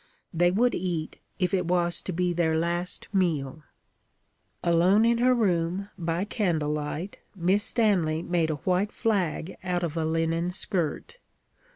They would eat, if it was to be their last meal. Alone in her room, by candle light, Miss Stanley made a white flag out of a linen skirt.